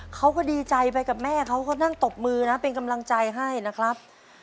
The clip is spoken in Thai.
เขาก็ดีใจไปกับแม่เขาก็นั่งตบมือนะเป็นกำลังใจให้นะครับ